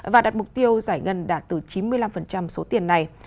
và đặt mục tiêu giải ngân đạt từ chín mươi năm số tiền này